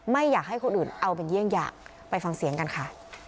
ไม่อยากให้คนอื่นเอาเป็นเยี่ยงอย่างไปฟังเสียงกันค่ะ